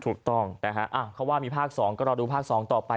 ถูกต้องนะฮะเขาว่ามีภาค๒ก็รอดูภาค๒ต่อไป